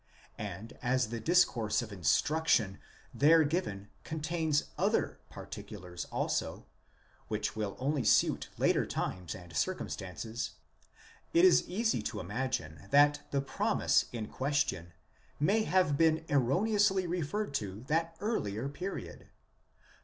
and as the discourse of instruc tions there given contains other particulars also, which, will only suit later times and circumstances : it is easy to imagine that the promise in question may have been erroneously referred to that earlier period.